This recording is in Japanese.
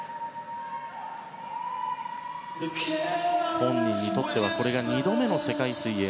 本人にとってはこれが２度目の世界水泳。